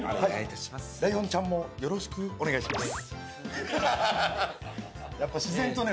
ライオンちゃんもよろしくお願いします。